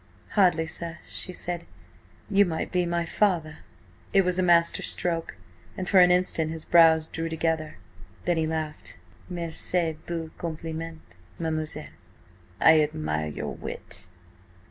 "Hardly, sir," she said. "You might be my father." It was a master stroke, and for an instant his brows drew together. Then he laughed. "Merci du compliment, mademoiselle! I admire your wit."